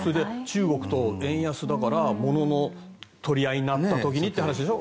中国と円安だから物の取り合いになった時にという話でしょ。